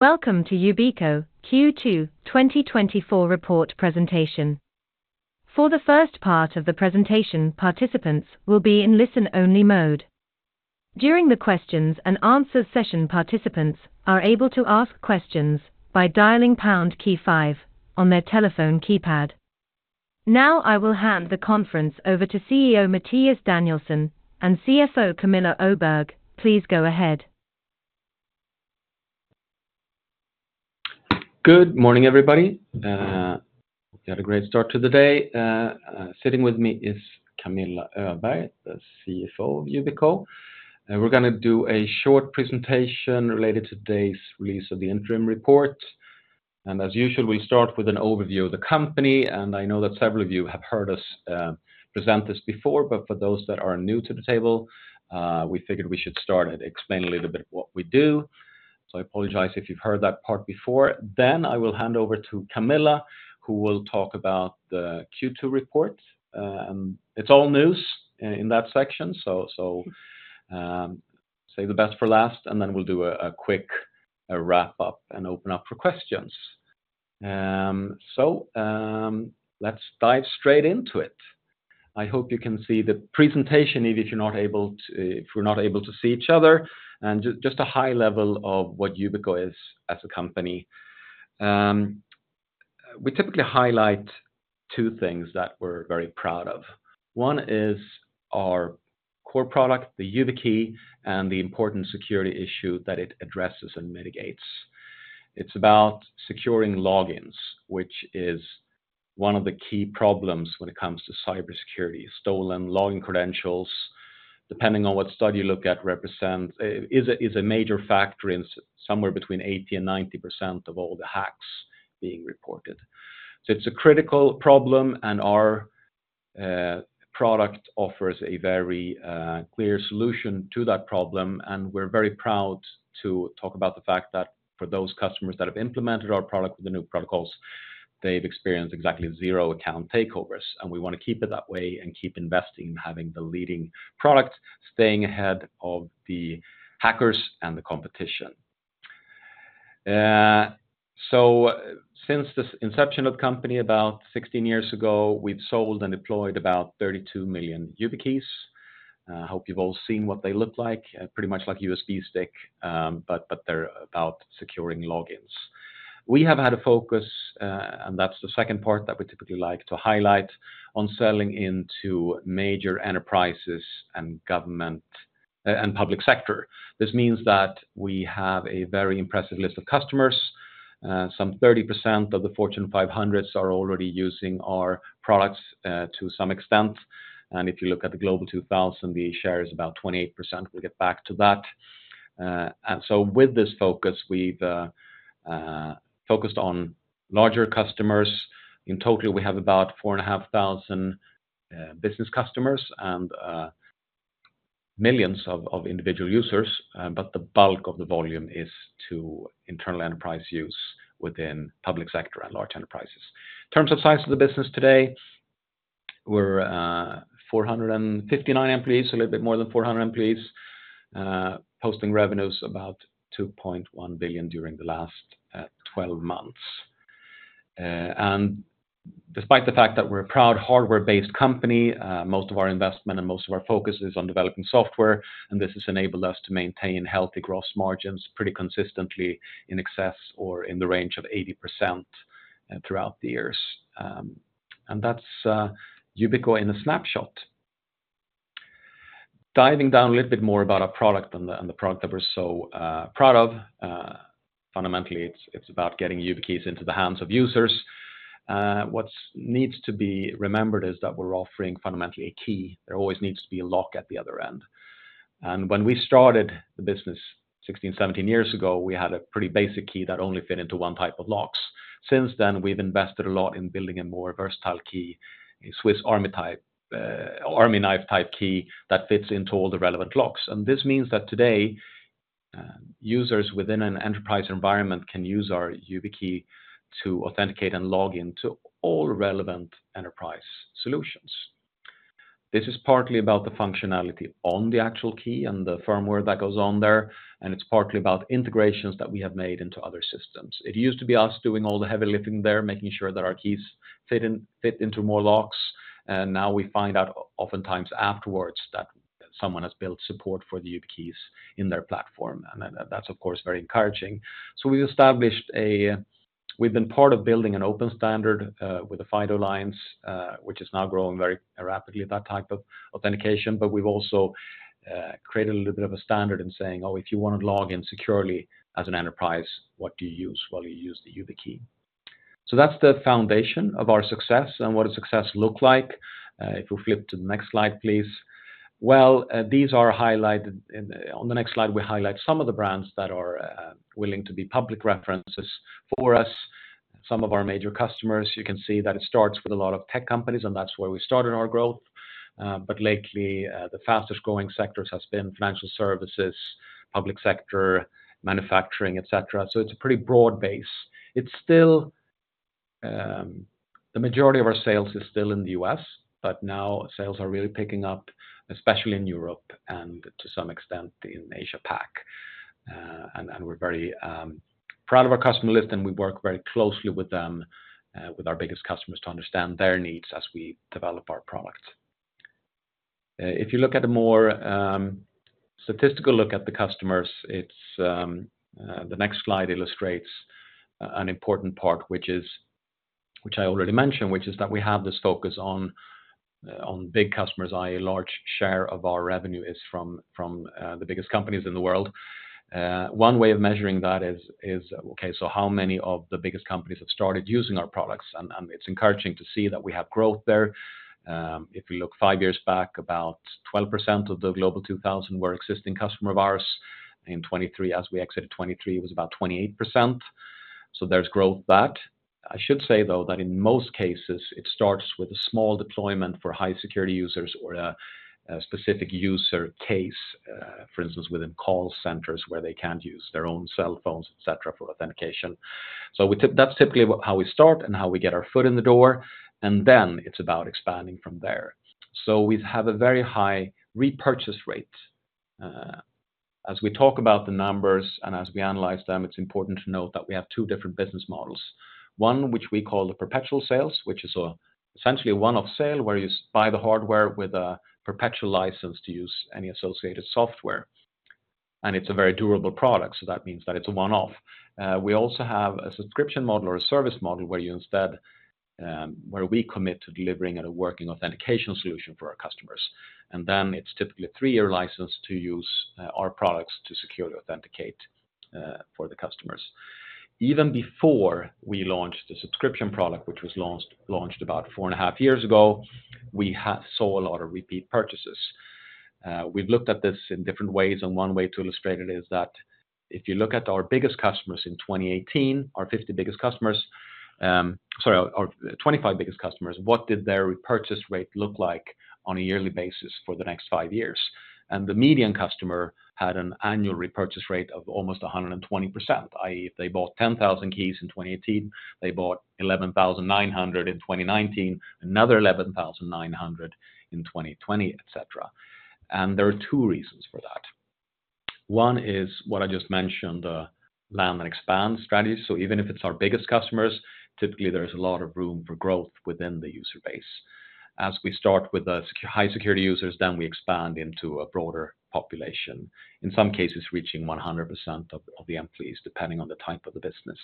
Welcome to Yubico Q2 2024 report presentation. For the first part of the presentation, participants will be in listen-only mode. During the questions and answers session, participants are able to ask questions by dialing pound key five on their telephone keypad. Now, I will hand the conference over to CEO Mattias Danielsson and CFO Camilla Öberg. Please go ahead. Good morning, everybody. We had a great start to the day. Sitting with me is Camilla Öberg, the CFO of Yubico, and we're gonna do a short presentation related to today's release of the interim report. As usual, we start with an overview of the company, and I know that several of you have heard us present this before, but for those that are new to the table, we figured we should start and explain a little bit what we do. So I apologize if you've heard that part before. Then I will hand over to Camilla, who will talk about the Q2 report. It's all news in that section, so save the best for last, and then we'll do a quick wrap up and open up for questions. So let's dive straight into it. I hope you can see the presentation, even if you're not able to, if we're not able to see each other, and just a high level of what Yubico is as a company. We typically highlight two things that we're very proud of. One is our core product, the YubiKey, and the important security issue that it addresses and mitigates. It's about securing logins, which is one of the key problems when it comes to cybersecurity. Stolen login credentials, depending on what study you look at, represent a major factor in somewhere between 80% and 90% of all the hacks being reported. So it's a critical problem, and our product offers a very clear solution to that problem, and we're very proud to talk about the fact that for those customers that have implemented our product with the new protocols, they've experienced exactly zero account takeovers, and we wanna keep it that way and keep investing in having the leading product, staying ahead of the hackers and the competition. So since this inception of company, about 16 years ago, we've sold and deployed about 32 million YubiKeys. I hope you've all seen what they look like, pretty much like USB stick, but they're about securing logins. We have had a focus, and that's the second part that we typically like to highlight on selling into major enterprises and government and public sector. This means that we have a very impressive list of customers. Some 30% of the Fortune 500 are already using our products to some extent, and if you look at the Global 2000, the share is about 28%. We'll get back to that. And so with this focus, we've focused on larger customers. In total, we have about 4,500 business customers and millions of individual users, but the bulk of the volume is to internal enterprise use within public sector and large enterprises. In terms of size of the business today, we're 459 employees, a little bit more than 400 employees, posting revenues about 2.1 billion during the last 12 months. And despite the fact that we're a proud hardware-based company, most of our investment and most of our focus is on developing software, and this has enabled us to maintain healthy gross margins pretty consistently in excess or in the range of 80%, throughout the years. That's Yubico in a snapshot. Diving down a little bit more about our product and the product that we're so proud of, fundamentally, it's about getting YubiKeys into the hands of users. What needs to be remembered is that we're offering fundamentally a key. There always needs to be a lock at the other end. And when we started the business 16, 17 years ago, we had a pretty basic key that only fit into one type of locks. Since then, we've invested a lot in building a more versatile key, a Swiss Army-type, army knife-type key that fits into all the relevant locks. And this means that today, users within an enterprise environment can use our YubiKey to authenticate and log in to all relevant enterprise solutions. This is partly about the functionality on the actual key and the firmware that goes on there, and it's partly about integrations that we have made into other systems. It used to be us doing all the heavy lifting there, making sure that our keys fit in, fit into more locks, and now we find out oftentimes afterwards that someone has built support for the YubiKeys in their platform, and that, that's of course, very encouraging. So we established a... We've been part of building an open standard with the FIDO Alliance, which is now growing very rapidly, that type of authentication, but we've also created a little bit of a standard in saying, "Oh, if you want to log in securely as an enterprise, what do you use? Well, you use the YubiKey." So that's the foundation of our success, and what does success look like? If you'll flip to the next slide, please. Well, on the next slide, we highlight some of the brands that are willing to be public references for us, some of our major customers. You can see that it starts with a lot of tech companies, and that's where we started our growth. But lately, the fastest-growing sectors has been financial services, public sector, manufacturing, et cetera. So it's a pretty broad base. It's still the majority of our sales is still in the U.S., but now sales are really picking up, especially in Europe, and to some extent in Asia-Pacific. We're very proud of our customer list, and we work very closely with them with our biggest customers to understand their needs as we develop our products. If you look at a more statistical look at the customers, the next slide illustrates an important part, which I already mentioned, which is that we have this focus on big customers, i.e., a large share of our revenue is from the biggest companies in the world. One way of measuring that is how many of the biggest companies have started using our products? It's encouraging to see that we have growth there. If we look five years back, about 12% of the Global 2000 were existing customer of ours. In 2023, as we exited 2023, it was about 28%, so there's growth there. I should say, though, that in most cases, it starts with a small deployment for high security users or a specific user case, for instance, within call centers where they can't use their own cell phones, et cetera, for authentication. So that's typically how we start and how we get our foot in the door, and then it's about expanding from there. So we have a very high repurchase rate. As we talk about the numbers and as we analyze them, it's important to note that we have two different business models. One, which we call the perpetual sales, which is, essentially a one-off sale, where you buy the hardware with a perpetual license to use any associated software, and it's a very durable product, so that means that it's a one-off. We also have a subscription model or a service model, where you instead, where we commit to delivering at a working authentication solution for our customers, and then it's typically a three-year license to use, our products to securely authenticate, for the customers. Even before we launched the subscription product, which was launched about 4.5 years ago, we had saw a lot of repeat purchases. We've looked at this in different ways, and one way to illustrate it is that if you look at our biggest customers in 2018, our 50 biggest customers, our 25 biggest customers, what did their repurchase rate look like on a yearly basis for the next five years? And the median customer had an annual repurchase rate of almost 120%, i.e., if they bought 10,000 keys in 2018, they bought 11,900 in 2019, another 11,900 in 2020, et cetera. And there are two reasons for that. One is what I just mentioned, the land and expand strategy. So even if it's our biggest customers, typically there's a lot of room for growth within the user base. As we start with the high security users, then we expand into a broader population, in some cases, reaching 100% of the employees, depending on the type of the business.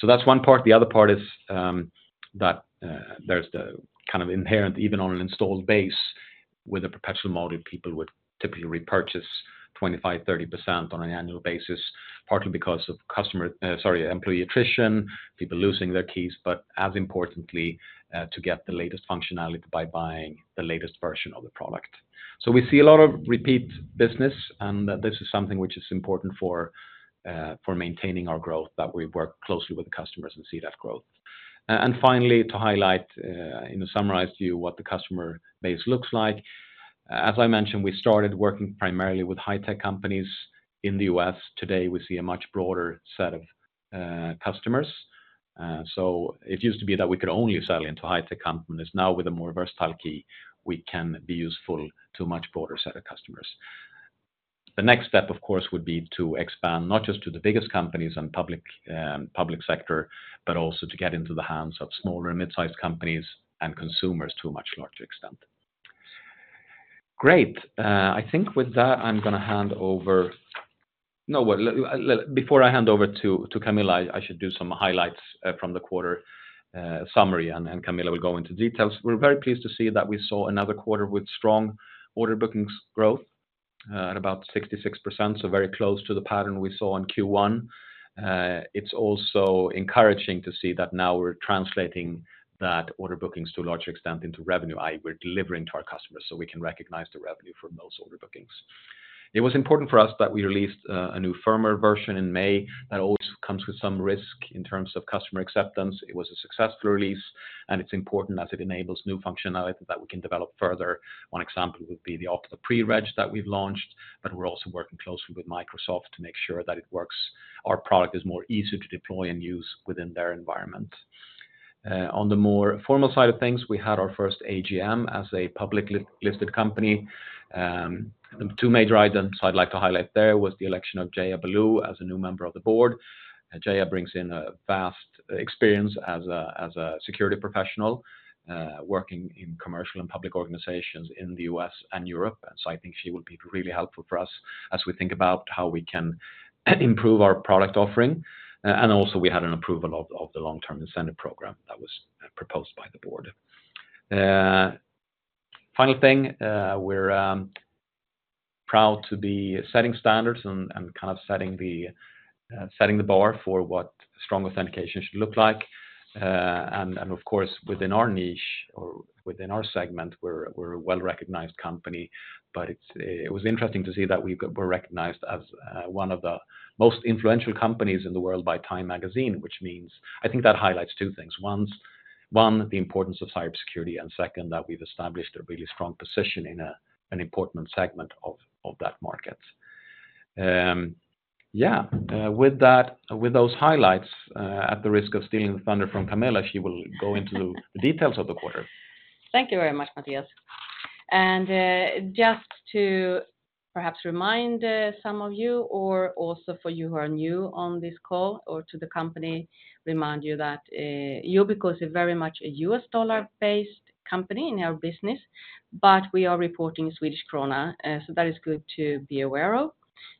So that's one part. The other part is that there's the kind of inherent, even on an installed base with a perpetual model, people would typically repurchase 25%-30% on an annual basis, partly because of customer employee attrition, people losing their keys, but as importantly, to get the latest functionality by buying the latest version of the product. So we see a lot of repeat business, and this is something which is important for maintaining our growth, that we work closely with the customers and see that growth. And finally, to highlight and to summarize to you what the customer base looks like, as I mentioned, we started working primarily with high-tech companies in the U.S. Today, we see a much broader set of customers. So it used to be that we could only sell into high-tech companies. Now, with a more versatile key, we can be useful to a much broader set of customers. The next step, of course, would be to expand not just to the biggest companies and public sector, but also to get into the hands of smaller and mid-sized companies and consumers to a much larger extent. Great. I think with that, I'm gonna hand over. No, well, before I hand over to Camilla, I should do some highlights from the quarter summary, and then Camilla will go into details. We're very pleased to see that we saw another quarter with strong order bookings growth at about 66%, so very close to the pattern we saw in Q1. It's also encouraging to see that now we're translating that order bookings to a large extent into revenue, i.e., we're delivering to our customers so we can recognize the revenue from those order bookings. It was important for us that we released a new firmware version in May. That always comes with some risk in terms of customer acceptance. It was a successful release, and it's important as it enables new functionality that we can develop further. One example would be the FIDO Pre-reg that we've launched, but we're also working closely with Microsoft to make sure that it works. Our product is more easier to deploy and use within their environment. On the more formal side of things, we had our first AGM as a publicly listed company. The two major items I'd like to highlight there was the election of Jaya Baloo as a new member of the board. Jaya brings in a vast experience as a security professional, working in commercial and public organizations in the U..S and Europe, and so I think she will be really helpful for us as we think about how we can improve our product offering. And also, we had an approval of the long-term incentive program that was proposed by the board. Final thing, we're proud to be setting standards and kind of setting the bar for what strong authentication should look like. And of course, within our niche or within our segment, we're a well-recognized company, but it was interesting to see that we were recognized as one of the most influential companies in the world by TIME, which means... I think that highlights two things. One, the importance of cybersecurity, and second, that we've established a really strong position in an important segment of that market.... Yeah, with that, with those highlights, at the risk of stealing the thunder from Camilla, she will go into the details of the quarter. Thank you very much, Mattias. Just to perhaps remind some of you, or also for you who are new on this call or to the company, remind you that Yubico is very much a U.S. dollar-based company in our business, but we are reporting Swedish krona, so that is good to be aware of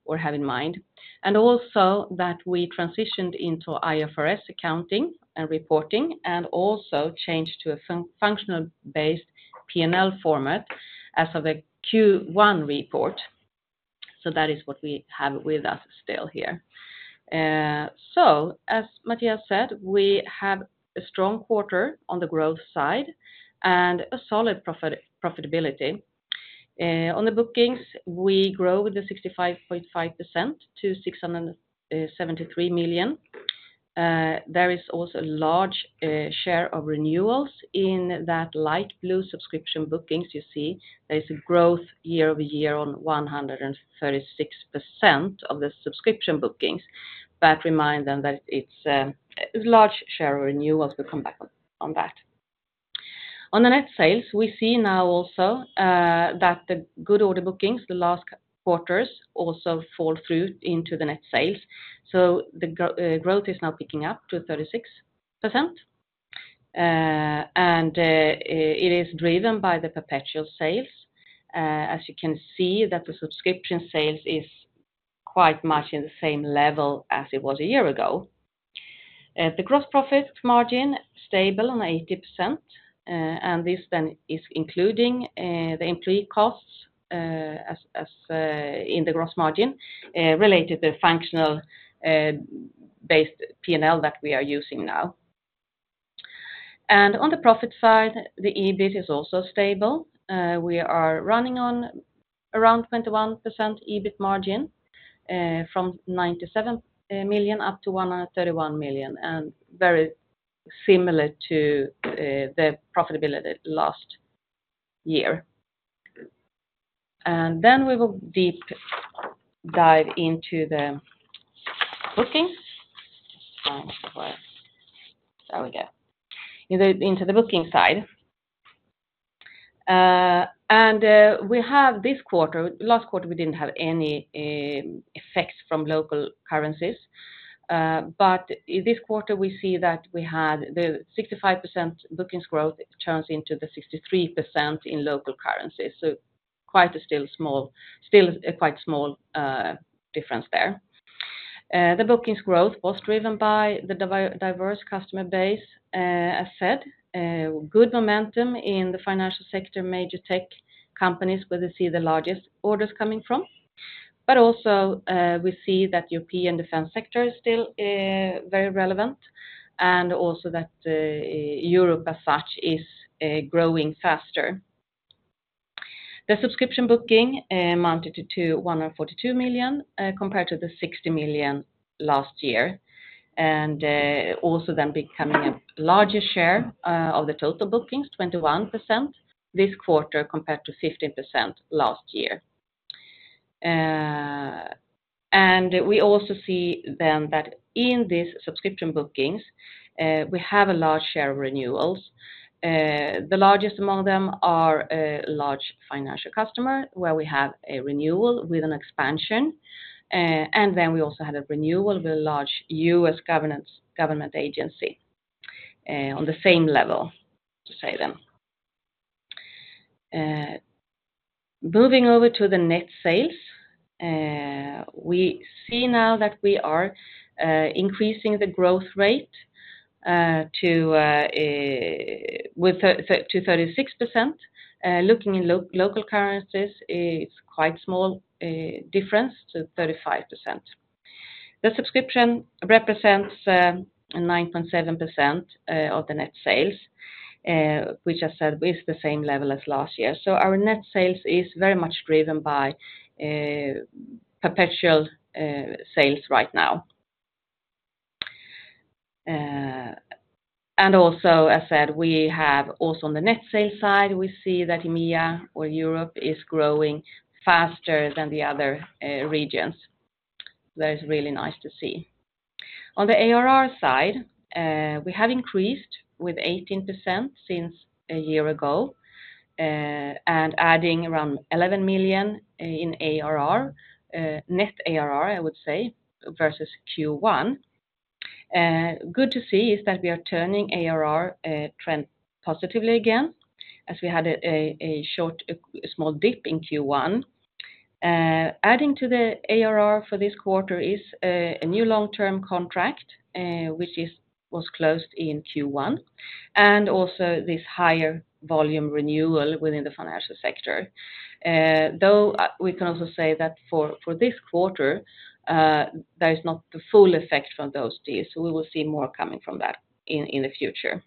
or have in mind. And also that we transitioned into IFRS accounting and reporting, and also changed to a functional based P&L format as of the Q1 report. So that is what we have with us still here. So as Mattias said, we have a strong quarter on the growth side and a solid profitability. On the bookings, we grow with the 65.5% to 673 million. There is also a large share of renewals in that light blue subscription bookings you see. There is a growth year-over-year on 136% of the subscription bookings, but remind them that it's large share of renewals, we'll come back on that. On the net sales, we see now also that the good order bookings, the last quarters, also fall through into the net sales. So the growth is now picking up to 36%. And it is driven by the perpetual sales. As you can see, that the subscription sales is quite much in the same level as it was a year ago. The gross profit margin, stable on 80%, and this then is including the employee costs, as in the gross margin, related to the functionally based P&L that we are using now. On the profit side, the EBIT is also stable. We are running on around 21% EBIT margin, from 97 million up to 131 million, and very similar to the profitability last year. Then we will deep dive into the bookings. There we go. Into the booking side. We have this quarter, last quarter, we didn't have any effects from local currencies, but this quarter we see that we had the 65% bookings growth turns into the 63% in local currencies. So, quite a small, still a quite small difference there. The bookings growth was driven by the diverse customer base, as said, good momentum in the financial sector, major tech companies, where we see the largest orders coming from. But also, we see that European defense sector is still very relevant, and also that Europe, as such, is growing faster. The subscription booking amounted to 142 million, compared to the 60 million last year, and also then becoming a larger share of the total bookings, 21% this quarter, compared to 15% last year. And we also see then that in this subscription bookings, we have a large share of renewals. The largest among them are a large financial customer, where we have a renewal with an expansion, and then we also have a renewal with a large U.S. government agency, on the same level, to say then. Moving over to the net sales, we see now that we are increasing the growth rate to 36%. Looking in local currencies, it's quite small difference to 35%. The subscription represents 9.7% of the net sales, which I said is the same level as last year. So our net sales is very much driven by perpetual sales right now. And also, as said, we have also on the net sales side, we see that EMEA or Europe is growing faster than the other regions. That is really nice to see. On the ARR side, we have increased with 18% since a year ago, and adding around 11 million in ARR, net ARR, I would say, versus Q1. Good to see is that we are turning ARR trend positively again, as we had a short, a small dip in Q1. Adding to the ARR for this quarter is a new long-term contract, which is, was closed in Q1, and also this higher volume renewal within the financial sector. Though, we can also say that for this quarter, that is not the full effect from those deals, so we will see more coming from that in the future.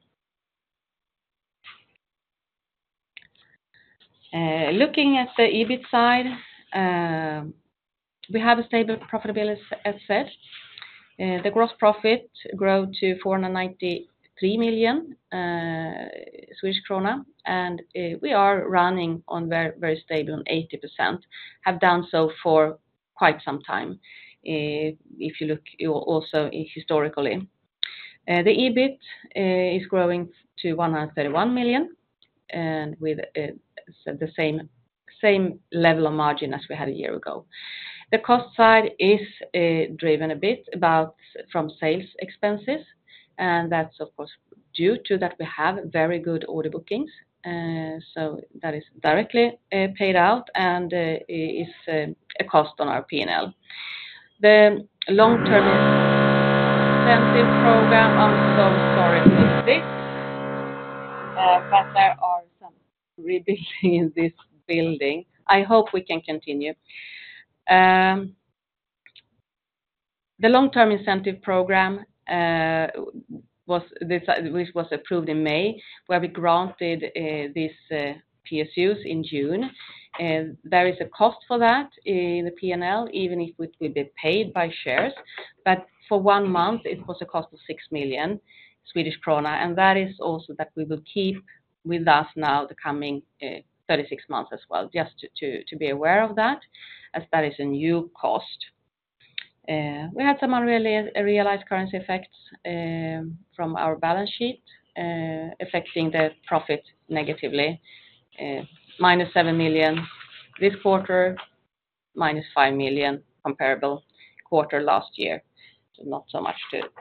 Looking at the EBIT side, we have a stable profitability as said. The gross profit grow to 493 million Swedish krona, and we are running on very, very stable on 80%, have done so for quite some time, if you look, also historically. The EBIT is growing to 131 million, and with, so the same, same level of margin as we had a year ago. The cost side is driven a bit about from sales expenses, and that's, of course, due to that, we have very good order bookings, so that is directly, paid out and, is, a cost on our P&L. The long-term incentive program, I'm so sorry for this, but there are some rebuilding in this building. I hope we can continue. The long-term incentive program, which was approved in May, where we granted these PSUs in June, and there is a cost for that in the P&L, even if it will be paid by shares. But for one month, it was a cost of 6 million Swedish krona, and that is also that we will keep with us now the coming 36 months as well. Just to be aware of that, as that is a new cost. We had some unrealized currency effects from our balance sheet affecting the profit negatively, -7 million this quarter, -5 million comparable quarter last year. So not so much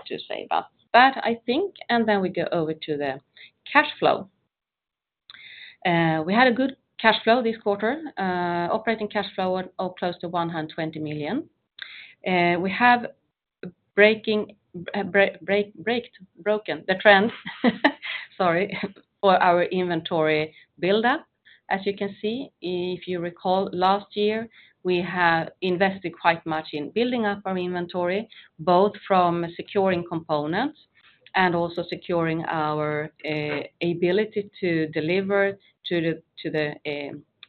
to say about that, I think, and then we go over to the cash flow. We had a good cash flow this quarter, operating cash flow of close to 120 million. We have broken the trend, sorry, for our inventory buildup, as you can see. If you recall, last year, we had invested quite much in building up our inventory, both from securing components and also securing our ability to deliver to the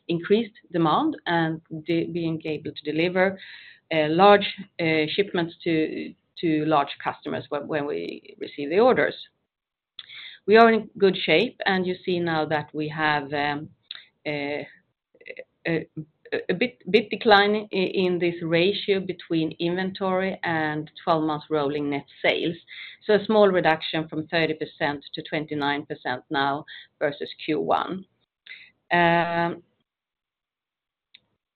increased demand and being able to deliver large shipments to large customers when we receive the orders. We are in good shape, and you see now that we have a bit decline in this ratio between inventory and 12-month rolling net sales. So a small reduction from 30% to 29% now versus Q1.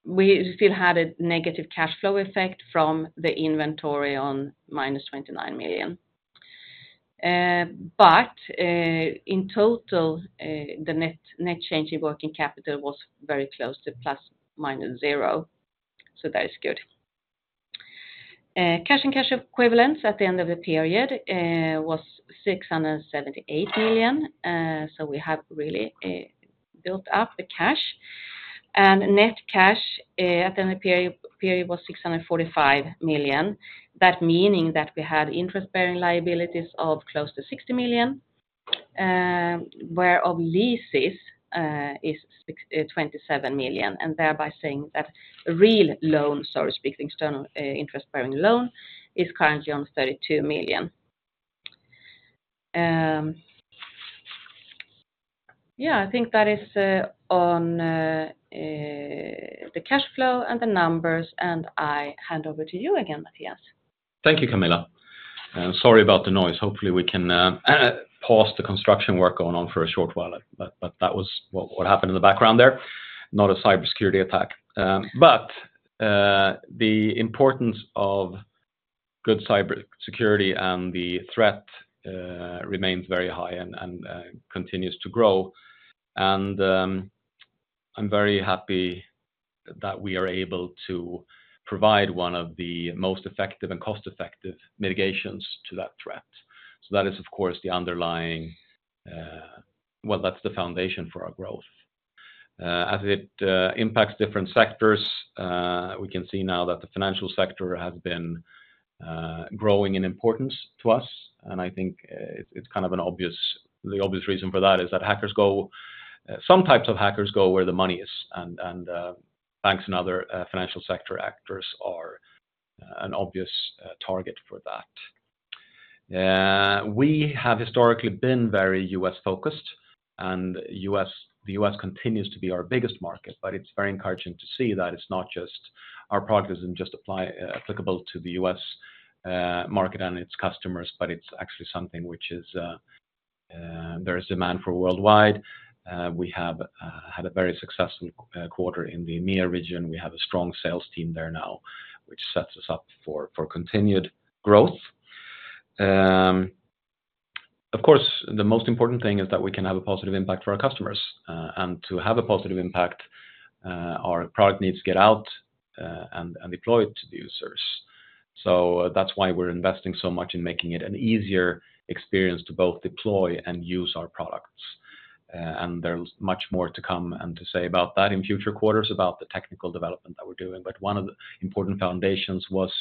We still had a negative cash flow effect from the inventory on -29 million. But in total, the net change in working capital was very close to ±0, so that is good. Cash and cash equivalents at the end of the period was 678 million, so we have really built up the cash. And net cash at the end of the period was 645 million. That meaning that we had interest-bearing liabilities of close to 60 million, whereof leases is 27 million, and thereby saying that real loan, so to speak, the external interest-bearing loan is currently on 32 million. Yeah, I think that is on the cash flow and the numbers, and I hand over to you again, Mattias. Thank you, Camilla. Sorry about the noise. Hopefully, we can pause the construction work going on for a short while, but that was what happened in the background there, not a cybersecurity attack. The importance of good cybersecurity and the threat remains very high and continues to grow. I'm very happy that we are able to provide one of the most effective and cost-effective mitigations to that threat. So that is, of course, the underlying. Well, that's the foundation for our growth. As it impacts different sectors, we can see now that the financial sector has been growing in importance to us, and I think it's kind of an obvious, the obvious reason for that is that hackers go, some types of hackers go where the money is, and banks and other financial sector actors are an obvious target for that. We have historically been very U.S.-focused, and U.S., the U.S. continues to be our biggest market, but it's very encouraging to see that it's not just our product doesn't just apply applicable to the U.S. market and its customers, but it's actually something which is, there is demand for worldwide. We have had a very successful quarter in the EMEA region. We have a strong sales team there now, which sets us up for continued growth. Of course, the most important thing is that we can have a positive impact for our customers. And to have a positive impact, our product needs to get out and deployed to the users. So that's why we're investing so much in making it an easier experience to both deploy and use our products. And there's much more to come and to say about that in future quarters, about the technical development that we're doing, but one of the important foundations was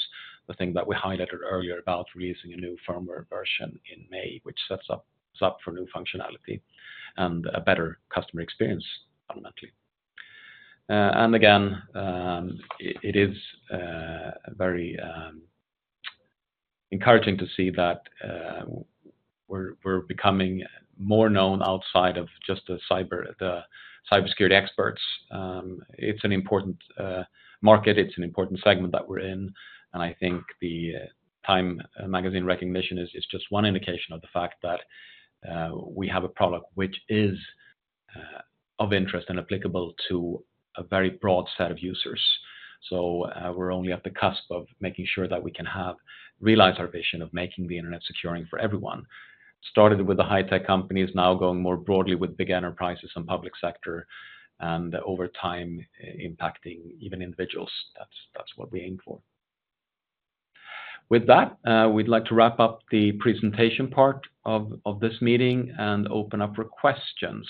the thing that we highlighted earlier about releasing a new firmware version in May, which sets us up for new functionality and a better customer experience, fundamentally. And again, it is a very... It's encouraging to see that we're becoming more known outside of just the cybersecurity experts. It's an important market, it's an important segment that we're in, and I think the TIME magazine recognition is just one indication of the fact that we have a product which is of interest and applicable to a very broad set of users. So, we're only at the cusp of making sure that we can have realize our vision of making the internet securing for everyone. Started with the high-tech companies, now going more broadly with big enterprises and public sector, and over time, impacting even individuals. That's what we aim for. With that, we'd like to wrap up the presentation part of this meeting and open up for questions.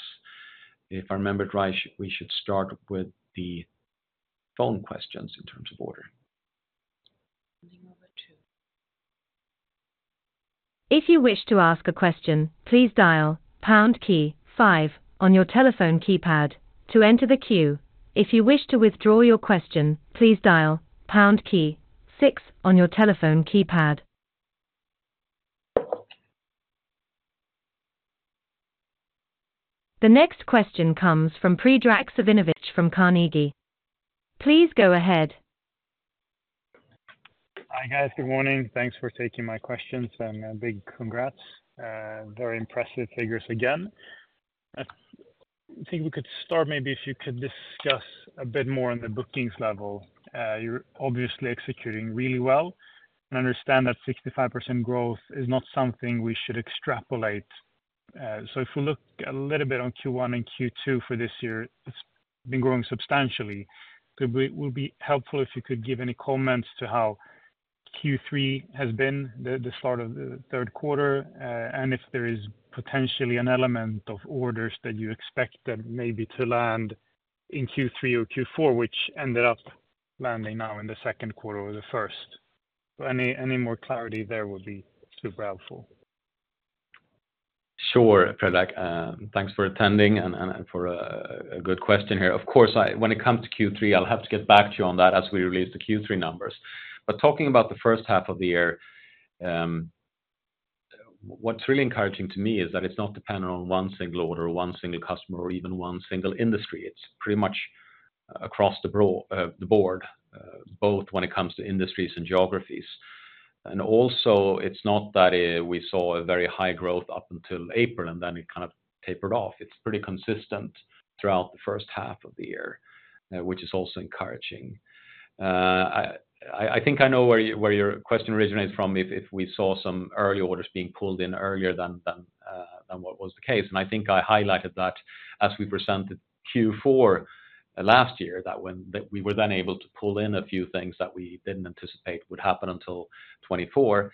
If I remembered right, we should start with the phone questions in terms of order. Moving over to you. If you wish to ask a question, please dial pound key five on your telephone keypad to enter the queue. If you wish to withdraw your question, please dial pound key six on your telephone keypad. The next question comes from Predrag Savinovic from Carnegie. Please go ahead. Hi, guys. Good morning. Thanks for taking my questions, and a big congrats. Very impressive figures again. I think we could start, maybe if you could discuss a bit more on the bookings level. You're obviously executing really well. I understand that 65% growth is not something we should extrapolate. So if we look a little bit on Q1 and Q2 for this year, it's been growing substantially. It would be helpful if you could give any comments to how Q3 has been, the start of the third quarter, and if there is potentially an element of orders that you expect them maybe to land in Q3 or Q4, which ended up landing now in the second quarter or the first. So any more clarity there would be super helpful. Sure, Predrag, thanks for attending and for a good question here. Of course, when it comes to Q3, I'll have to get back to you on that as we release the Q3 numbers. But talking about the first half of the year, what's really encouraging to me is that it's not dependent on one single order or one single customer or even one single industry. It's pretty much across the broad, the board, both when it comes to industries and geographies. And also, it's not that we saw a very high growth up until April, and then it kind of tapered off. It's pretty consistent throughout the first half of the year, which is also encouraging. I think I know where your question originates from, if we saw some early orders being pulled in earlier than what was the case. And I think I highlighted that as we presented Q4 last year, that we were then able to pull in a few things that we didn't anticipate would happen until 2024.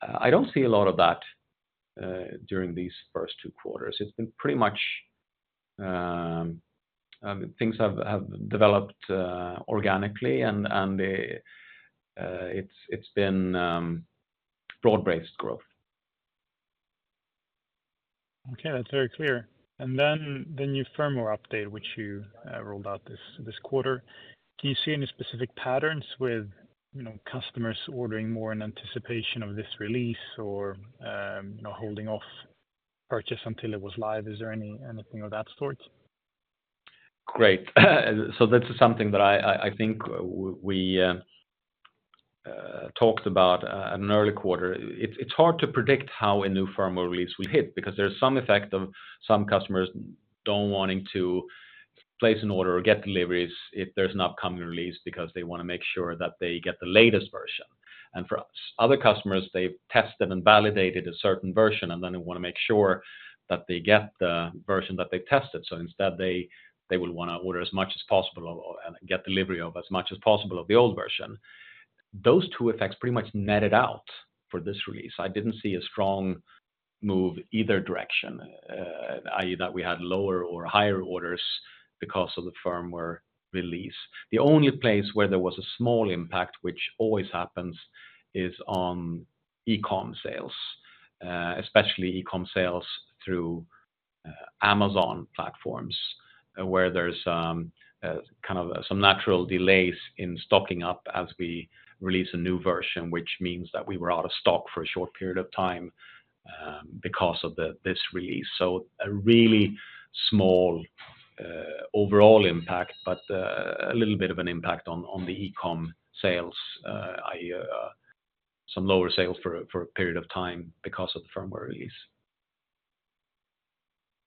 I don't see a lot of that during these first two quarters. It's been pretty much things have developed organically, and it's been broad-based growth. Okay, that's very clear. And then the new firmware update, which you rolled out this quarter, do you see any specific patterns with, you know, customers ordering more in anticipation of this release or, you know, holding off purchase until it was live? Is there anything of that sort? Great. So this is something that I think we talked about in an early quarter. It's hard to predict how a new firmware release will hit, because there's some effect of some customers not wanting to place an order or get deliveries if there's an upcoming release, because they wanna make sure that they get the latest version. And for other customers, they've tested and validated a certain version, and then they wanna make sure that they get the version that they tested. So instead, they would wanna order as much as possible and get delivery of as much as possible of the old version. Those two effects pretty much netted out for this release. I didn't see a strong move either direction, i.e., that we had lower or higher orders because of the firmware release. The only place where there was a small impact, which always happens, is on e-com sales, especially e-com sales through Amazon platforms, where there's kind of some natural delays in stocking up as we release a new version, which means that we were out of stock for a short period of time, because of this release. So a really small overall impact, but a little bit of an impact on the e-com sales, i.e., some lower sales for a period of time because of the firmware release.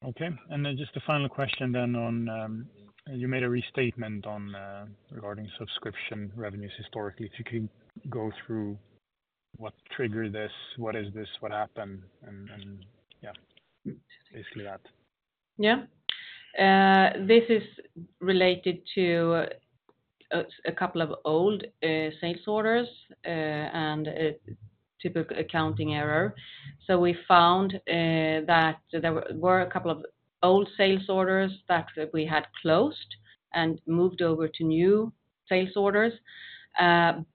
Okay, and then just a final question then on. You made a restatement on regarding subscription revenues historically. If you could go through what triggered this, what is this, what happened, and yeah, basically that. Yeah. This is related to a couple of old sales orders and a typical accounting error. So we found that there were a couple of old sales orders that we had closed and moved over to new sales orders,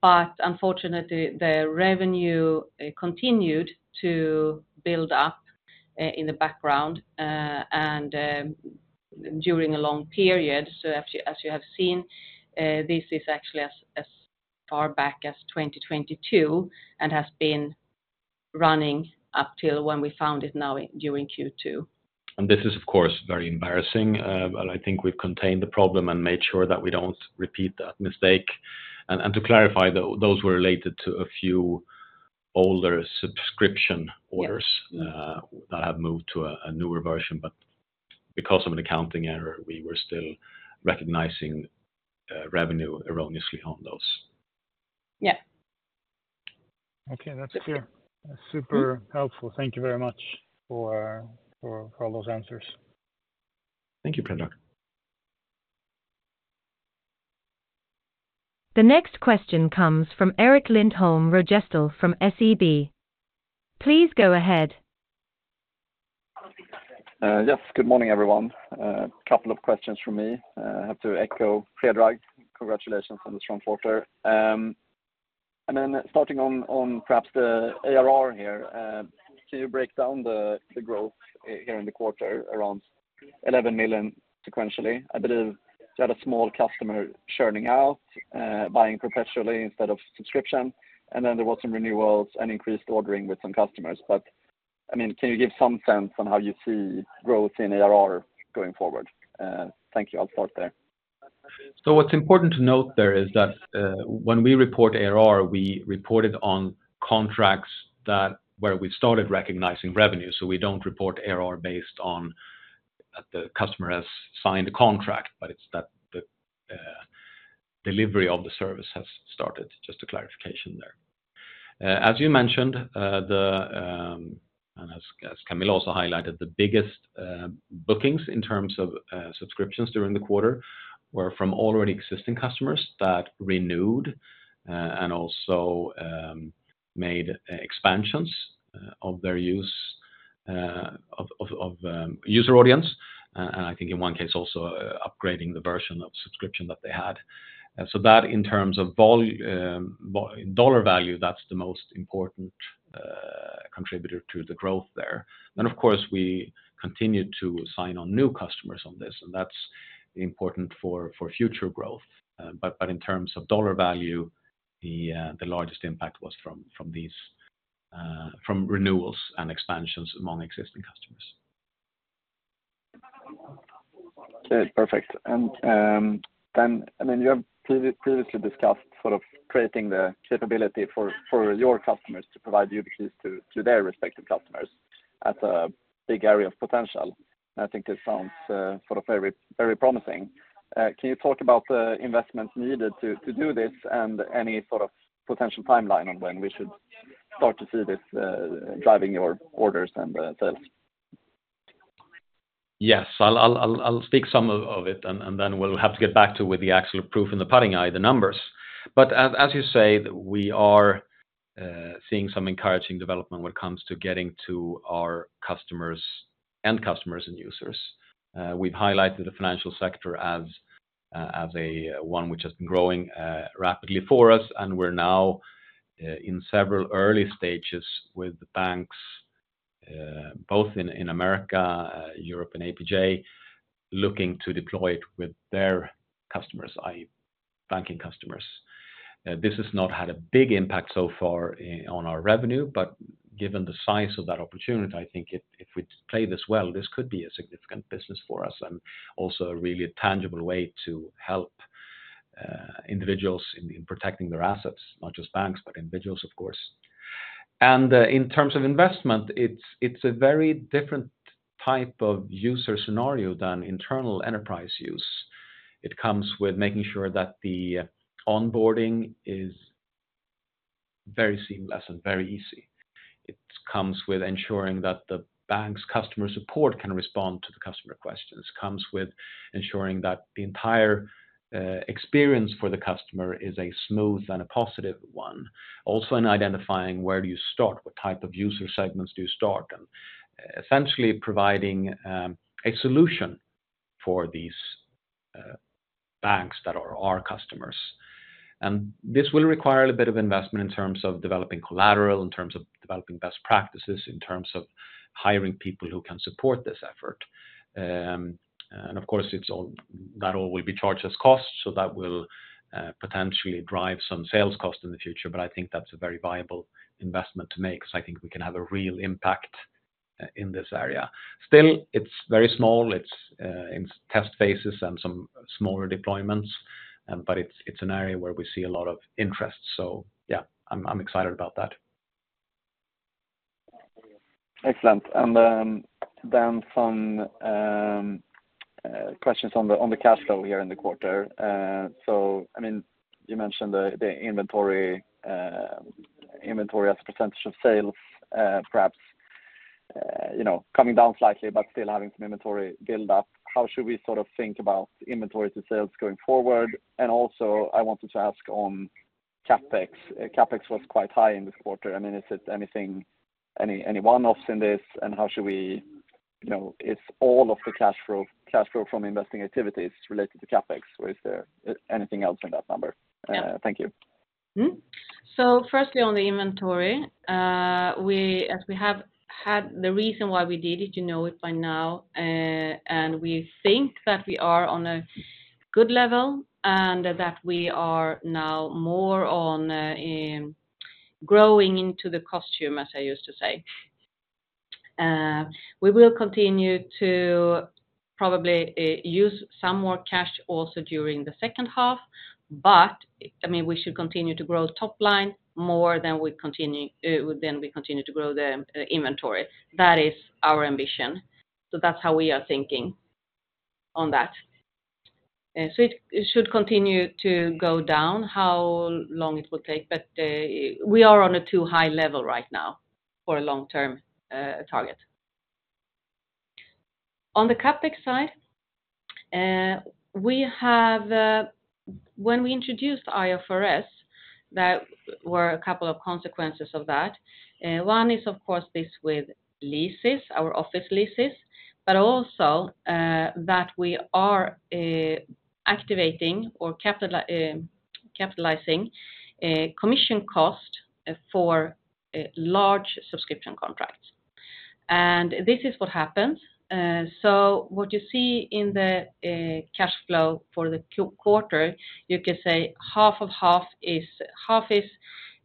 but unfortunately, the revenue continued to build up in the background and during a long period. So as you have seen, this is actually as far back as 2022 and has been running up till when we found it now during Q2. This is, of course, very embarrassing, but I think we've contained the problem and made sure that we don't repeat that mistake. And to clarify, those were related to a few older subscription orders- Yes that have moved to a newer version. But because of an accounting error, we were still recognizing revenue erroneously on those. Yeah. Okay, that's clear. Super helpful. Thank you very much for all those answers. Thank you, Predrag. The next question comes from Erik Lindholm-Röjestål from SEB. Please go ahead. Yes, good morning, everyone. Couple of questions from me. I have to echo Predrag, congratulations on the strong quarter. Then starting on perhaps the ARR here, can you break down the growth here in the quarter around 11 million sequentially? I believe you had a small customer churning out, buying professionally instead of subscription, and then there was some renewals and increased ordering with some customers. But, I mean, can you give some sense on how you see growth in ARR going forward? Thank you. I'll start there. So what's important to note there is that, when we report ARR, we report it on contracts that where we started recognizing revenue. So we don't report ARR based on that the customer has signed a contract, but it's that the delivery of the service has started. Just a clarification there. As you mentioned, and as Camilla also highlighted, the biggest bookings in terms of subscriptions during the quarter were from already existing customers that renewed, and also made expansions of their use of user audience, and I think in one case, also upgrading the version of subscription that they had. So that in terms of vol dollar value, that's the most important contributor to the growth there. Then, of course, we continued to sign on new customers on this, and that's important for future growth. But in terms of dollar value, the largest impact was from these renewals and expansions among existing customers. Okay, perfect. And then, I mean, you have previously discussed sort of creating the capability for your customers to provide YubiKeys to their respective customers as a big area of potential. I think this sounds sort of very, very promising. Can you talk about the investments needed to do this and any sort of potential timeline on when we should start to see this driving your orders and the sales? Yes, I'll speak some of it, and then we'll have to get back to with the actual proof in the pudding eye, the numbers. But as you say, we are seeing some encouraging development when it comes to getting to our customers, end customers and users. We've highlighted the financial sector as a one which has been growing rapidly for us, and we're now in several early stages with banks both in America, Europe and APJ, looking to deploy it with their customers, i.e., banking customers. This has not had a big impact so far on our revenue, but given the size of that opportunity, I think if we play this well, this could be a significant business for us and also a really tangible way to help individuals in protecting their assets, not just banks, but individuals, of course. In terms of investment, it's a very different type of user scenario than internal enterprise use. It comes with making sure that the onboarding is very seamless and very easy. It comes with ensuring that the bank's customer support can respond to the customer questions. Comes with ensuring that the entire experience for the customer is a smooth and a positive one. Also, in identifying where do you start? What type of user segments do you start? Essentially, providing a solution for these banks that are our customers. This will require a bit of investment in terms of developing collateral, in terms of developing best practices, in terms of hiring people who can support this effort. And of course, it's all, not all will be charged as costs, so that will potentially drive some sales cost in the future, but I think that's a very viable investment to make, so I think we can have a real impact in this area. Still, it's very small, it's in test phases and some smaller deployments, but it's an area where we see a lot of interest. So yeah, I'm excited about that. Excellent. And then some questions on the cash flow here in the quarter. So, I mean, you mentioned the inventory as a percentage of sales, perhaps you know, coming down slightly, but still having some inventory build up. How should we sort of think about inventory to sales going forward? And also, I wanted to ask on CapEx. CapEx was quite high in this quarter. I mean, is it anything, any one-offs in this, and how should we... You know, it's all of the cash flow from investing activities related to CapEx, or is there anything else in that number? Yeah. Thank you. So firstly, on the inventory, as we have had, the reason why we did it, you know it by now, and we think that we are on a good level, and that we are now more on in growing into the customer, as I used to say. We will continue to probably use some more cash also during the second half, but, I mean, we should continue to grow top line more than we continue to grow the inventory. That is our ambition. So that's how we are thinking on that. And so it should continue to go down, how long it will take, but we are on too high level right now for a long-term target. On the CapEx side, we have, when we introduced IFRS, there were a couple of consequences of that. One is, of course, this with leases, our office leases, but also, that we are activating or capitalizing commission cost for large subscription contracts. And this is what happens. So what you see in the cash flow for the quarter, you can say half of half is half is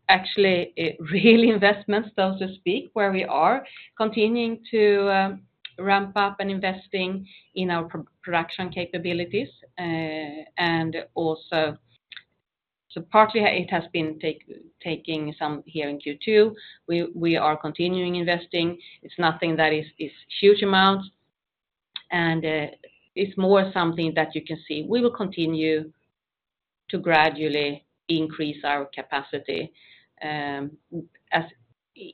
actually real investments, so to speak, where we are continuing to ramp up and investing in our production capabilities, and also. So partly, it has been taking some here in Q2. We are continuing investing. It's nothing that is huge amounts, and it's more something that you can see. We will continue to gradually increase our capacity, as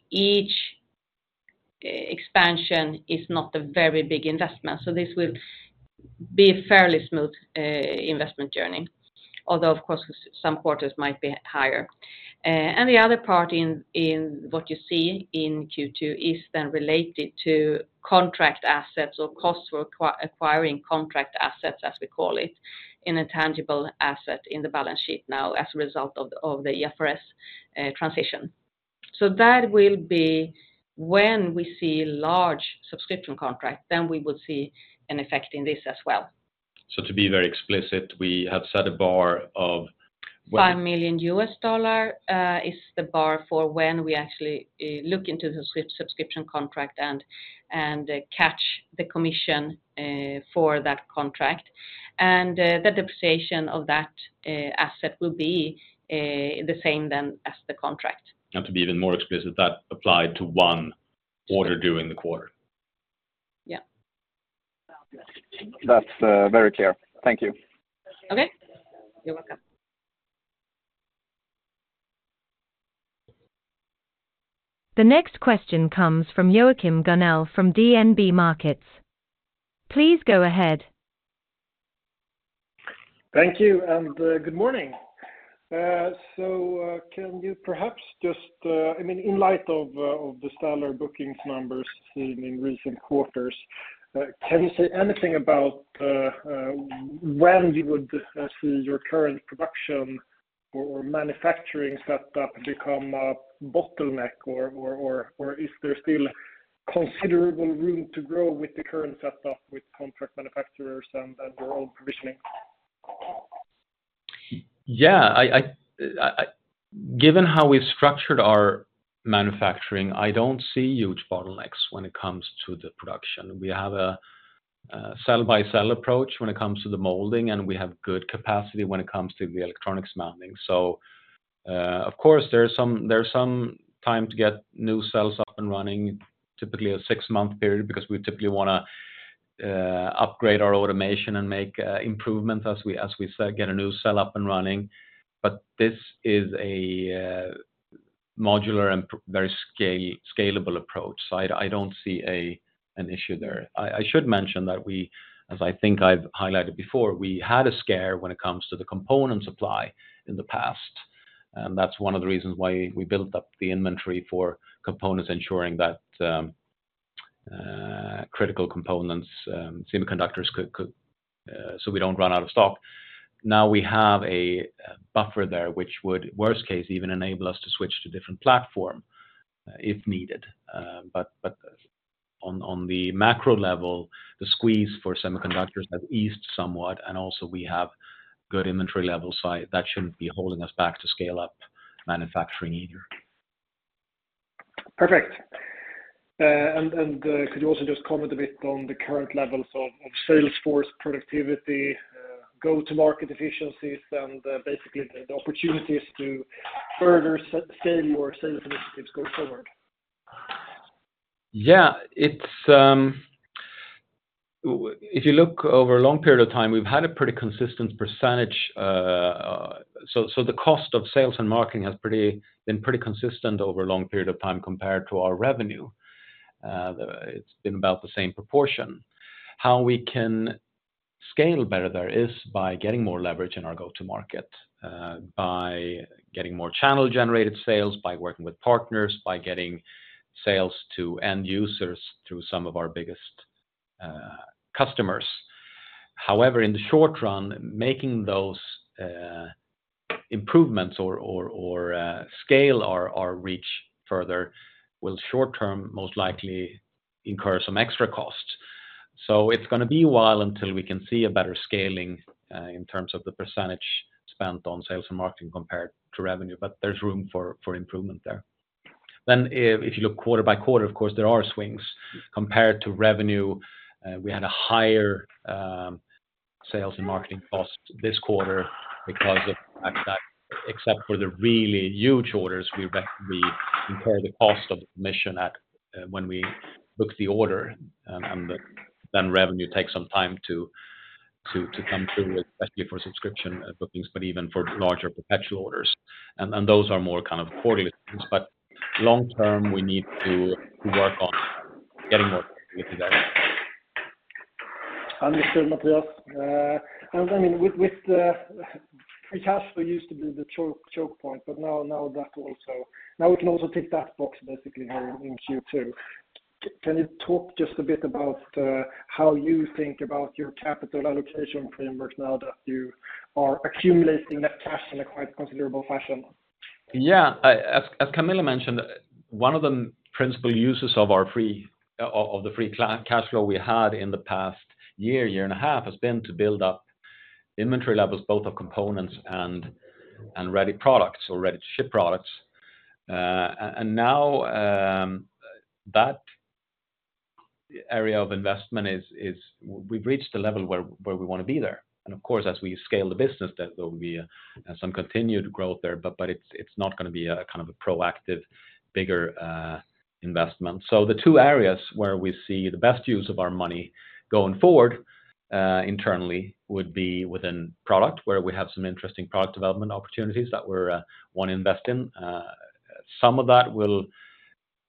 each expansion is not a very big investment, so this will be a fairly smooth investment journey, although, of course, some quarters might be higher. And the other part in what you see in Q2 is then related to contract assets or costs for acquiring contract assets, as we call it, in a tangible asset in the balance sheet now as a result of the IFRS transition. So that will be when we see large subscription contracts, then we will see an effect in this as well. To be very explicit, we have set a bar of what- $5 million is the bar for when we actually look into the subscription contract and catch the commission for that contract. The depreciation of that asset will be the same then as the contract. To be even more explicit, that applied to one order due in the quarter? Yeah. That's very clear. Thank you. Okay. You're welcome. The next question comes from Joachim Gunell from DNB Markets. Please go ahead. Thank you and good morning. Can you perhaps just, I mean, in light of the stellar bookings numbers seen in recent quarters, can you say anything about when we would see your current production or is there still considerable room to grow with the current setup with contract manufacturers and your own provisioning? Yeah, given how we've structured our manufacturing, I don't see huge bottlenecks when it comes to the production. We have a cell-by-cell approach when it comes to the molding, and we have good capacity when it comes to the electronics mounting. So, of course, there's some time to get new cells up and running, typically a six-month period, because we typically wanna upgrade our automation and make improvement as we start getting a new cell up and running. But this is a modular and very scalable approach. So I don't see an issue there. I should mention that we, as I think I've highlighted before, we had a scare when it comes to the component supply in the past. That's one of the reasons why we built up the inventory for components, ensuring that critical components, semiconductors could so we don't run out of stock. Now, we have a buffer there, which would, worst case, even enable us to switch to different platform, if needed. But on the macro level, the squeeze for semiconductors have eased somewhat, and also we have good inventory levels, so that shouldn't be holding us back to scale up manufacturing either. Perfect. And could you also just comment a bit on the current levels of sales force productivity, go-to-market efficiencies, and basically the opportunities to further sell more sales initiatives going forward? Yeah, it's if you look over a long period of time, we've had a pretty consistent percentage. So, the cost of sales and marketing has been pretty consistent over a long period of time compared to our revenue. It's been about the same proportion. How we can scale better there is by getting more leverage in our go-to market, by getting more channel-generated sales, by working with partners, by getting sales to end users through some of our biggest customers. However, in the short run, making those improvements or scale our reach further will short-term most likely incur some extra costs. So it's gonna be a while until we can see a better scaling in terms of the percentage spent on sales and marketing compared to revenue, but there's room for improvement there. Then if you look quarter by quarter, of course, there are swings. Compared to revenue, we had a higher sales and marketing cost this quarter because of the fact that except for the really huge orders, we incur the cost of commission at when we book the order, and then revenue takes some time to come through, especially for subscription bookings, but even for larger perpetual orders, and those are more kind of quarterly. But long term, we need to work on getting more with that. And Mr. Mattias, and I mean, with the free cash flow used to be the choke point, but now that also now we can also tick that box, basically, now in Q2. Can you talk just a bit about how you think about your capital allocation framework now that you are accumulating that cash in a quite considerable fashion? Yeah. As Camilla mentioned, one of the principal uses of our free cash flow we had in the past year and a half has been to build up inventory levels, both of components and ready products or ready-to-ship products. And now, that area of investment, we've reached a level where we wanna be there. And of course, as we scale the business, there will be some continued growth there, but it's not gonna be a kind of a proactive, bigger investment. So the two areas where we see the best use of our money going forward, internally, would be within product, where we have some interesting product development opportunities that we wanna invest in. Some of that will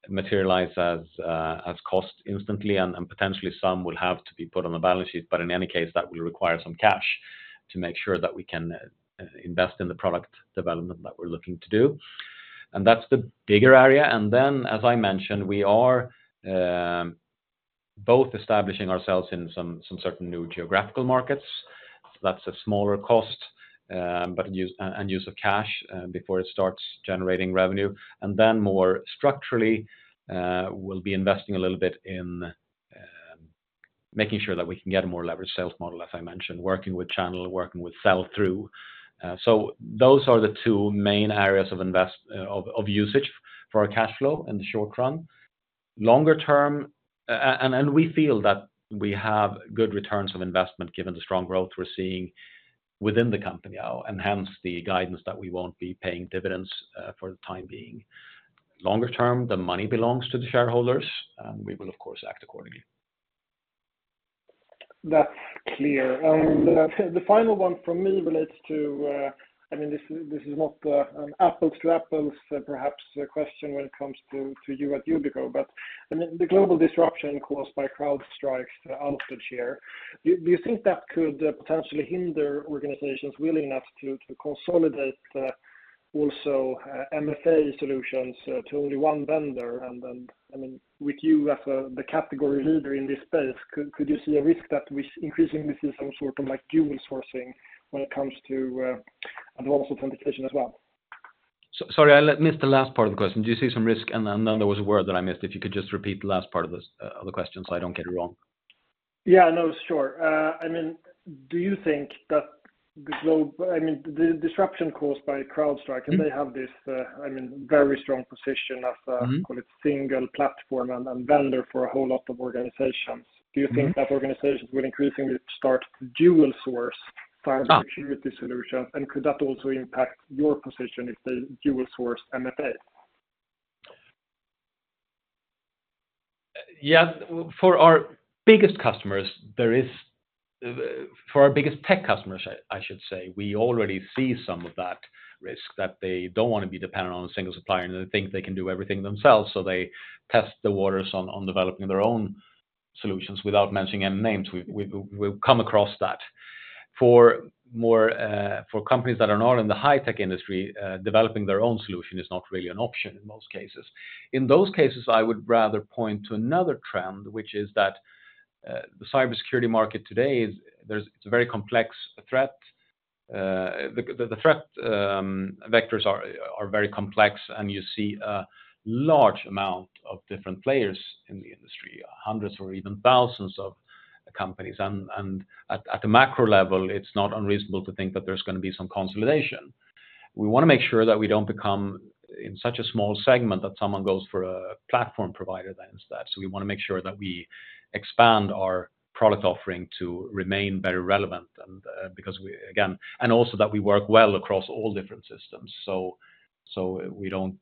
materialize as cost instantly, and potentially some will have to be put on the balance sheet, but in any case, that will require some cash to make sure that we can invest in the product development that we're looking to do. And that's the bigger area. And then, as I mentioned, we are both establishing ourselves in certain new geographical markets. That's a smaller cost, but use of cash before it starts generating revenue. And then more structurally, we'll be investing a little bit in making sure that we can get a more leveraged sales model, as I mentioned, working with channel, working with sell-through. So those are the two main areas of usage for our cash flow in the short run. Longer term, and we feel that we have good returns of investment, given the strong growth we're seeing within the company now, and hence, the guidance that we won't be paying dividends for the time being. Longer term, the money belongs to the shareholders, and we will, of course, act accordingly. That's clear. The final one from me relates to... I mean, this is, this is not an apples to apples, perhaps a question when it comes to to you at Yubico, but, I mean, the global disruption caused by CrowdStrike's outage, do you think that could potentially hinder organizations willing enough to to consolidate also MFA solutions to only one vendor? And then, I mean, with you as the category leader in this space, could you see a risk that we increasingly see some sort of, like, dual sourcing when it comes to and also authentication as well? Sorry, I missed the last part of the question. Do you see some risk? And then, then there was a word that I missed, if you could just repeat the last part of the, of the question, so I don't get it wrong. Yeah, no, sure. I mean, do you think that global disruption caused by CrowdStrike, and they have this, I mean, very strong position as— Mm-hmm... call it, single platform and vendor for a whole lot of organizations. Mm-hmm. Do you think that organizations will increasingly start dual source-? Ah... cybersecurity solutions? Could that also impact your position if they dual source MFA? Yeah, for our biggest customers, there is, for our biggest tech customers, I should say, we already see some of that risk, that they don't wanna be dependent on a single supplier, and they think they can do everything themselves, so they test the waters on developing their own solutions without mentioning any names. We've come across that. For companies that are not in the high-tech industry, developing their own solution is not really an option in most cases. In those cases, I would rather point to another trend, which is that, the cybersecurity market today is there's—it's a very complex threat. The threat vectors are very complex, and you see a large amount of different players in the industry, hundreds or even thousands of companies. And at a macro level, it's not unreasonable to think that there's gonna be some consolidation. We wanna make sure that we don't become in such a small segment that someone goes for a platform provider than instead. So we wanna make sure that we expand our product offering to remain very relevant, and because we, again, and also that we work well across all different systems, so we don't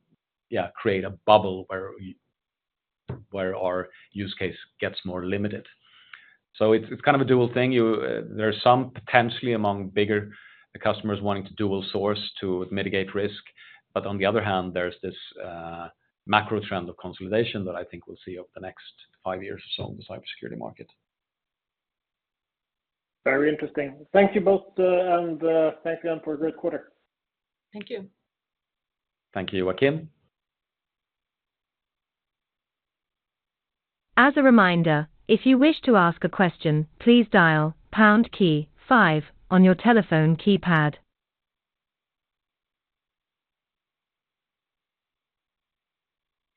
create a bubble where our use case gets more limited. So it's kind of a dual thing. There are some potentially among bigger customers wanting to dual source to mitigate risk, but on the other hand, there's this macro trend of consolidation that I think we'll see over the next five years or so in the cybersecurity market. Very interesting. Thank you both, and thank you again for a great quarter. Thank you. Thank you, Joachim. ...As a reminder, if you wish to ask a question, please dial pound key five on your telephone keypad.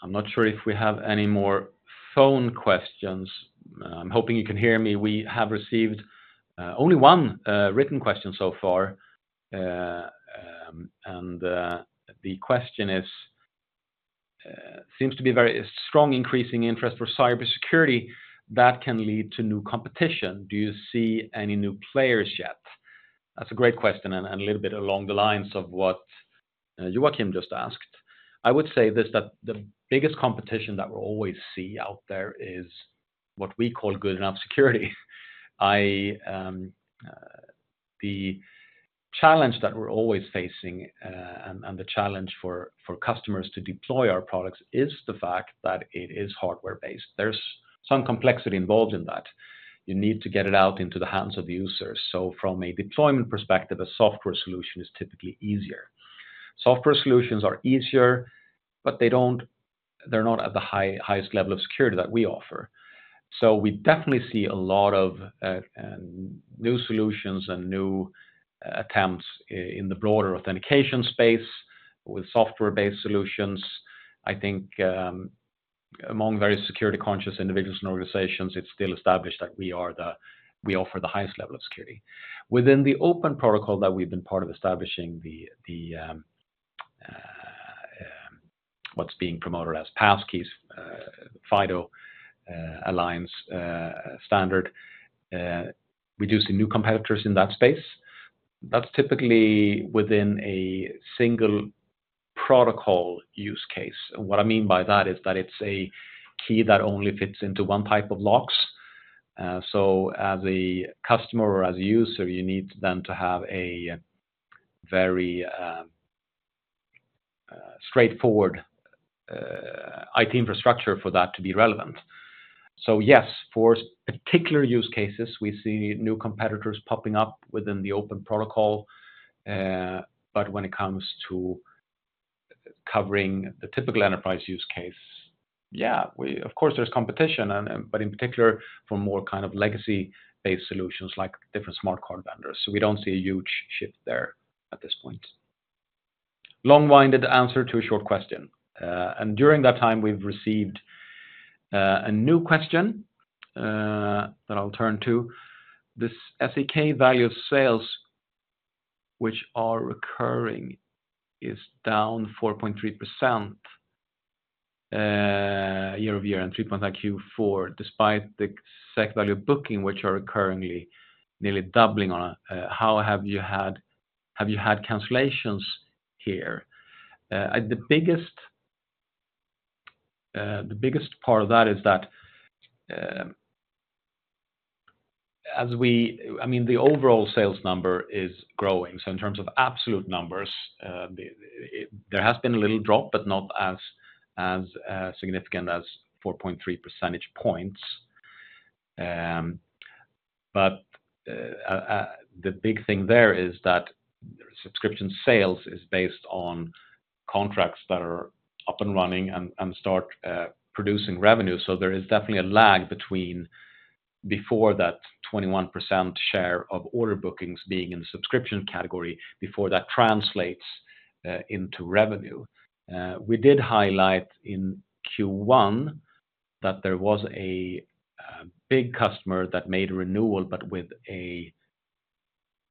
I'm not sure if we have any more phone questions. I'm hoping you can hear me. We have received only one written question so far. The question is, seems to be very strong increasing interest for cybersecurity that can lead to new competition. Do you see any new players yet? That's a great question, and a little bit along the lines of what Joachim just asked. I would say this, that the biggest competition that we'll always see out there is what we call good enough security. The challenge that we're always facing, and the challenge for customers to deploy our products is the fact that it is hardware-based. There's some complexity involved in that. You need to get it out into the hands of the users. So from a deployment perspective, a software solution is typically easier. Software solutions are easier, but they don't, they're not at the highest level of security that we offer. So we definitely see a lot of new solutions and new attempts in the broader authentication space with software-based solutions. I think, among very security conscious individuals and organizations, it's still established that we offer the highest level of security. Within the open protocol that we've been part of establishing what's being promoted as passkeys, FIDO Alliance standard, we do see new competitors in that space. That's typically within a single protocol use case, and what I mean by that is that it's a key that only fits into one type of locks. So as a customer or as a user, you need them to have a very straightforward IT infrastructure for that to be relevant. So yes, for particular use cases, we see new competitors popping up within the open protocol, but when it comes to covering the typical enterprise use case, yeah, we, of course, there's competition and, but in particular, for more kind of legacy-based solutions like different smart card vendors. So we don't see a huge shift there at this point. Long-winded answer to a short question. And during that time, we've received a new question that I'll turn to. This SEK value of sales, which are recurring, is down 4.3% year-over-year, and 3.04, despite the SEK value of booking, which are currently nearly doubling on. Have you had cancellations here? The biggest part of that is that, I mean, the overall sales number is growing. So in terms of absolute numbers, there has been a little drop, but not as significant as 4.3 percentage points. But the big thing there is that subscription sales is based on contracts that are up and running and start producing revenue. So there is definitely a lag between before that 21% share of order bookings being in the subscription category before that translates into revenue. We did highlight in Q1 that there was a big customer that made a renewal, but with a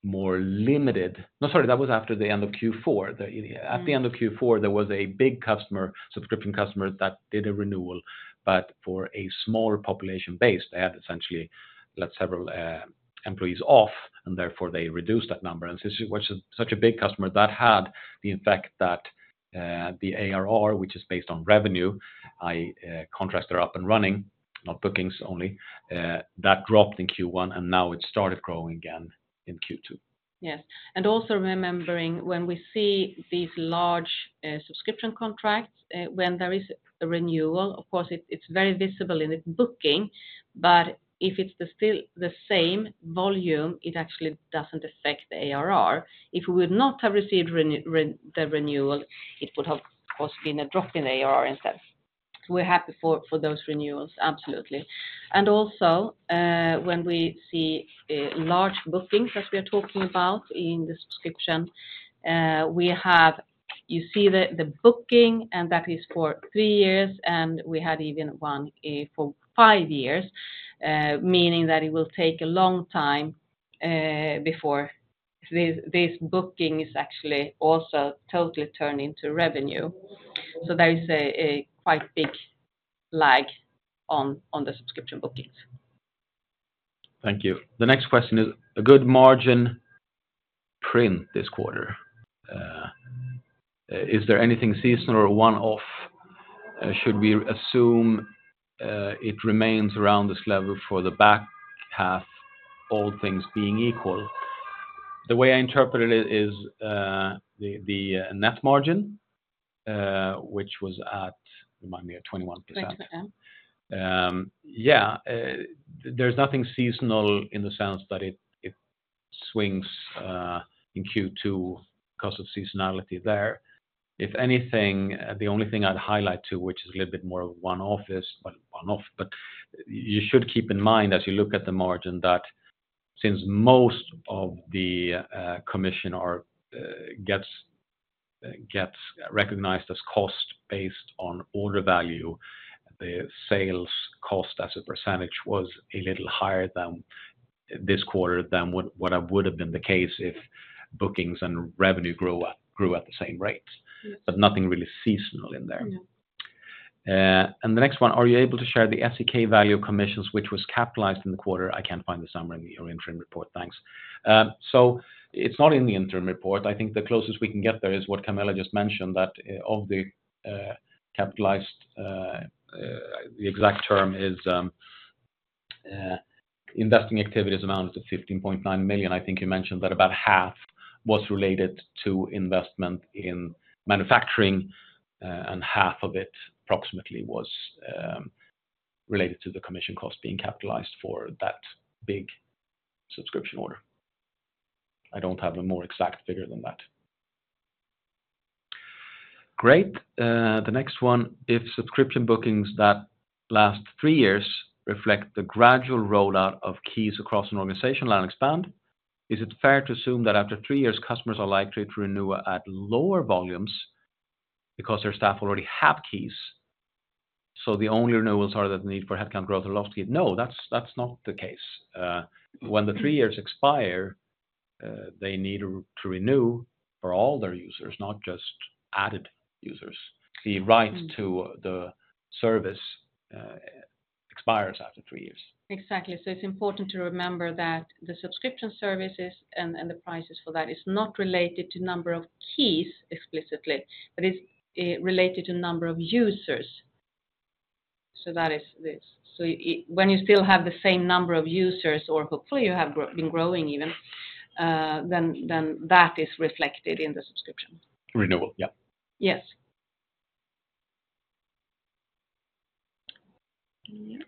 more limited... No, sorry, that was after the end of Q4. At the end of Q4, there was a big customer, subscription customer, that did a renewal, but for a smaller population base, they had essentially let several employees off, and therefore they reduced that number. And since it was such a big customer, that had the effect that the ARR, which is based on revenue, contracts are up and running, not bookings only, that dropped in Q1, and now it started growing again in Q2. Yes, and also remembering when we see these large subscription contracts, when there is a renewal, of course, it's very visible in its booking, but if it's still the same volume, it actually doesn't affect the ARR. If we would not have received the renewal, it would have, of course, been a drop in ARR instead. We're happy for those renewals, absolutely. And also, when we see large bookings, as we are talking about in the subscription, we have, you see, the booking, and that is for three years, and we had even one for five years, meaning that it will take a long time before this booking is actually also totally turned into revenue. So there is a quite big lag on the subscription bookings. Thank you. The next question is a good margin print this quarter. Is there anything seasonal or one-off? Should we assume it remains around this level for the back half, all things being equal? The way I interpreted it is, the net margin, which was at, remind me, at 21%. Twenty percent. Yeah, there's nothing seasonal in the sense that it swings in Q2 because of seasonality there. If anything, the only thing I'd highlight, too, which is a little bit more of one-off, is, well, one-off, but you should keep in mind as you look at the margin, that since most of the commission are gets recognized as cost based on order value, the sales cost as a percentage was a little higher than this quarter than what would have been the case if bookings and revenue grew at the same rates. But nothing really seasonal in there. Yeah. The next one: Are you able to share the SEK value commissions, which was capitalized in the quarter? I can't find the summary in your interim report. Thanks. So it's not in the interim report. I think the closest we can get there is what Camilla just mentioned, that of the capitalized the exact term is investing activities amounts to 15.9 million. I think you mentioned that about half was related to investment in manufacturing, and half of it approximately was related to the commission cost being capitalized for that big subscription order. I don't have a more exact figure than that. Great, the next one: If subscription bookings that last three years reflect the gradual rollout of keys across an organization land and expand, is it fair to assume that after three years, customers are likely to renew at lower volumes because their staff already have keys, so the only renewals are the need for headcount growth or lost keys? No, that's not the case. When the three years expire, they need to renew for all their users, not just added users. The right to the service expires after three years. Exactly. So it's important to remember that the subscription services and the prices for that is not related to number of keys explicitly, but it's related to number of users. So that is this. So when you still have the same number of users, or hopefully you have been growing even, then that is reflected in the subscription. Renewal, yeah. Yes. Yeah.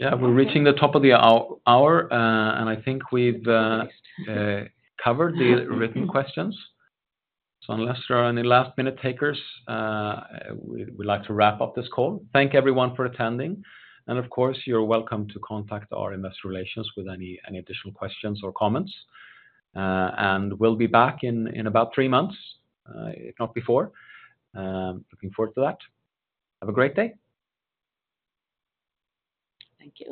Yeah, we're reaching the top of the hour, and I think we've covered the written questions. So unless there are any last-minute takers, we'd like to wrap up this call. Thank everyone for attending, and of course, you're welcome to contact our investor relations with any additional questions or comments. And we'll be back in about three months, if not before. Looking forward to that. Have a great day. Thank you.